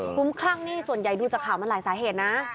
ลุ้มคลั่งนี่ส่วนใหญ่ดูจากข่าวมันหลายสาเหตุนะ